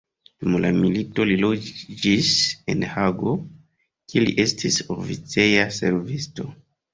Dum la milito li loĝis en Hago, kie li estis oficeja servisto.